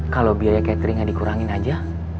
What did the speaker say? kalau biaya cateringnya dikurangin aja